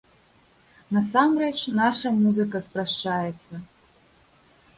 Насамрэч, наша музыка спрашчаецца.